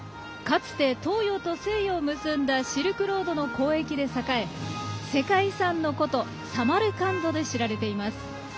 かつて東洋と西洋を結んだシルクロードの交易で栄え世界遺産の古都サマルカンドで知られています。